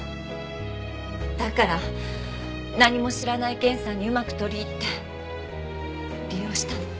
だから何も知らない源さんにうまく取り入って利用したの。